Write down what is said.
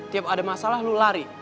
tiap ada masalah lu lari